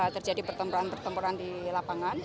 terjadi pertempuran pertempuran di lapangan